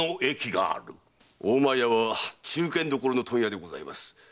大前屋は中堅どころの問屋でございます。